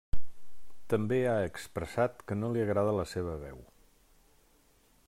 També ha expressat que no li agrada la seva veu.